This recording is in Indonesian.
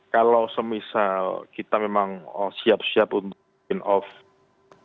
kalau semisal kita memang siap siap untuk bikin off